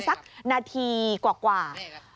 สักนาทีกว่า